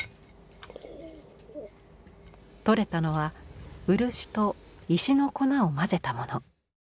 取れたのは漆と石の粉を混ぜたもの。